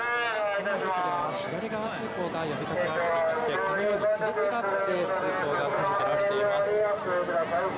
狭い路地では左側通行が呼び掛けられていましてこのようにすれ違って通行が続けられています。